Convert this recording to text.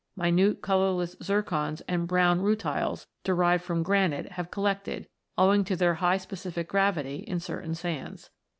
Minute colourless zircons and brown rutiles, derived from granite, have collected, owing to their high specific gravity, in certain sands.